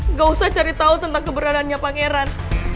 nggak usah cari tahu tentang keberadaannya pangeran